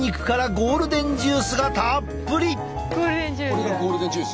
これがゴールデンジュース。